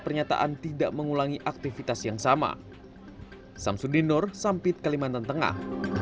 pernyataan tidak mengulangi aktivitas yang sama samsudinur sampit kalimantan tengah